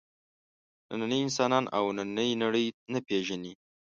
نننی انسان او نننۍ نړۍ نه پېژني.